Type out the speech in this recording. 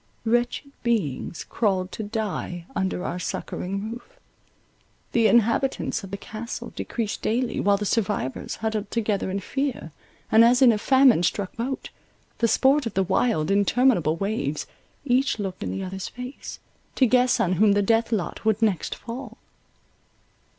Wretched beings crawled to die under our succouring roof; the inhabitants of the Castle decreased daily, while the survivors huddled together in fear, and, as in a famine struck boat, the sport of the wild, interminable waves, each looked in the other's face, to guess on whom the death lot would next fall.